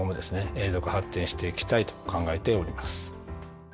永続発展していきたいと考えております。